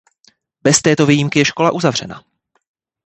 Bez této výjimky je škola uzavřena.